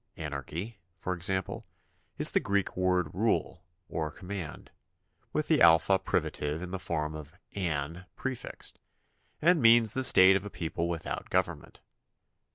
An archy, for example, is the Greek word "rule," or "com mand," with the alpha privative in the form of "an" prefixed, and means the state of a people without government.